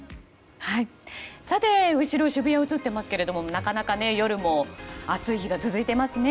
後ろ、渋谷が映っていますがなかなか夜も暑い日が続いていますね。